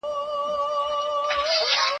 زه به سبا د هنرونو تمرين کوم